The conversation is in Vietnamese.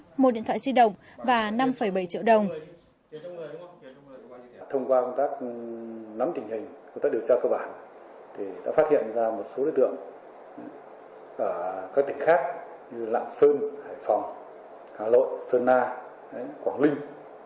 thông qua công tác nắm tình hình công tác điều tra cơ bản đã phát hiện ra một số đối tượng ở các tỉnh khác như lạng sơn hải phòng hà nội sơn na quảng linh